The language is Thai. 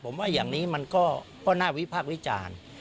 ผมว่าอย่างนี้มันก็น่าวิพากษ์วิจารณ์